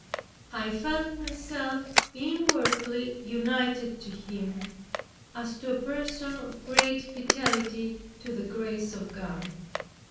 I felt myself inwardly united to him, as to a person of great fidelity to the grace of God.